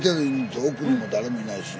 奥にも誰もいないし。